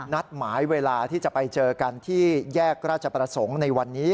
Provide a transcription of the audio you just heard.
นัดหมายเวลาที่จะไปเจอกันที่แยกราชประสงค์ในวันนี้